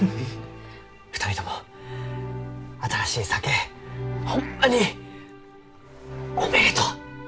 ２人とも新しい酒ホンマにおめでとう！